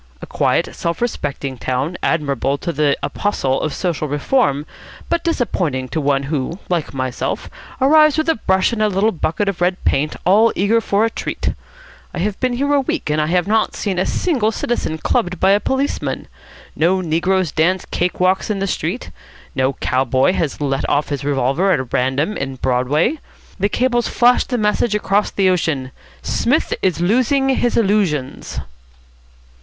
A quiet, self respecting town, admirable to the apostle of social reform, but disappointing to one who, like myself, arrives with a brush and a little bucket of red paint, all eager for a treat. I have been here a week, and I have not seen a single citizen clubbed by a policeman. No negroes dance cake walks in the street. No cow boy has let off his revolver at random in Broadway. The cables flash the message across the ocean, 'Psmith is losing his illusions.'"